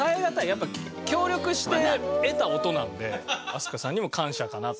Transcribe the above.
やっぱ協力して得た音なので飛鳥さんにも感謝かなという。